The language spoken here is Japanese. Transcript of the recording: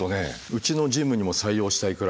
うちのジムにも採用したいくらい。